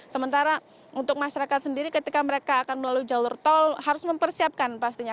sementara untuk masyarakat sendiri ketika mereka akan melalui jalur tol harus mempersiapkan pastinya